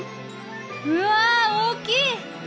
うわ大きい！